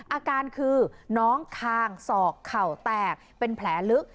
อาการคือน้องคางศอกเข่าแตกเป็นแผลลึก